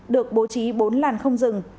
được bố trí bốn làn không dừng